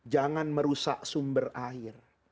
jangan merusak sumber air